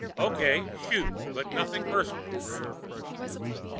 "Okay, shoot. But nothing personal."